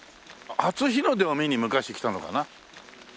初日の出を見に昔来たのかな？